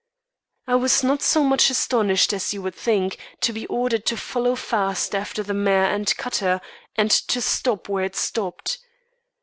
I was not so much astonished as you would think, to be ordered to follow fast after the mare and cutter, and to stop where it stopped.